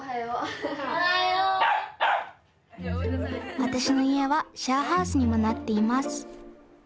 わたしのいえはシェアハウスにもなっています。